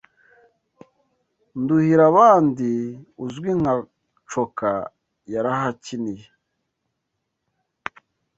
Nduhirabandi uzwi nka Coka, yarahakiniye